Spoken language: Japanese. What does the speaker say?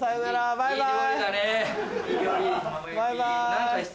バイバイ。